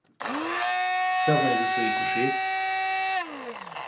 Zer nahi duzu ikusi?